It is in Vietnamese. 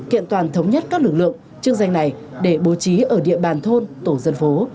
kiện toàn thống nhất các lực lượng chức danh này để bố trí ở địa bàn thôn tổ dân phố